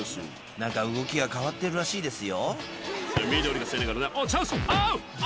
なんか動きが変わってるらしいですよ。